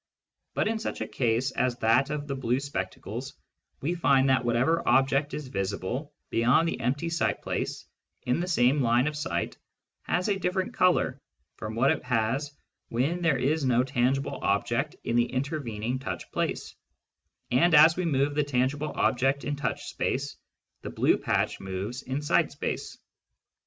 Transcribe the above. But in such a case as that of the blue spectacles, we find that Digitized by Google THE EXTERNAL WORLD 8i whatever object is visible beyond the empty sight place in the same line of sight has a different colour from what it has when there is no tangible object in the intervening touch place ; and as we move the tangible object in touch space, the blue patch moves in sight space.